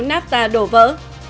nafta đổ vỡ